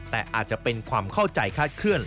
แต่อาจจะเป็นความเข้าใจคาดเคลื่อ